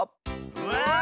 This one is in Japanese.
うわ！